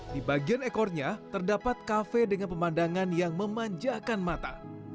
di bagian ekornya terdapat kafe dengan pemandangan yang memanjakan mata